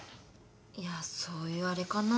いやそういうあれかな。